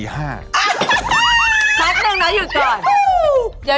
แป๊บนึงนะหยุดก่อน